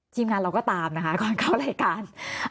ทีมงานเราก็ตามนะคะก่อนเข้ารายการ